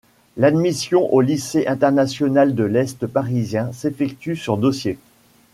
L’admission au lycée international de l’Est Parisien s’effectue sur dossier.